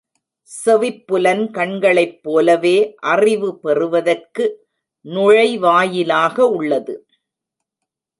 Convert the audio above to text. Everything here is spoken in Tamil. செவிப்புலன் கண்களைப் போலவே அறிவு பெறுவதற்கு நுழைவாயிலாக உள்ளது.